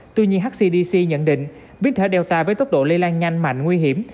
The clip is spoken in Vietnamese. tuy nhiên hcdc nhận định biến thể data với tốc độ lây lan nhanh mạnh nguy hiểm